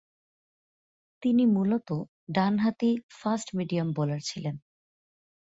তিনি মূলতঃ ডানহাতি ফাস্ট মিডিয়াম বোলার ছিলেন।